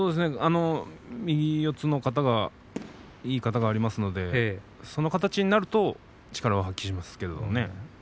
右四つの型がいい型がありますのでその形になると力を発揮しますけどね。